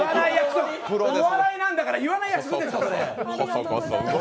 お笑いなんだから言わない約束でしょ。